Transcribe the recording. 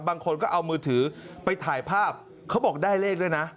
บางคนก็เอามือถือไปถ่ายภาพเขาบอกได้เลขด้วยนะ